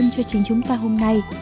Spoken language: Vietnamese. số hiệu là ba trăm linh hai